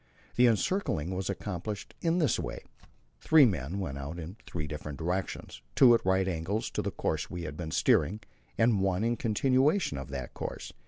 The encircling was accomplished in this way: Three men went out in three different directions, two at right angles to the course we had been steering, and one in continuation of that course.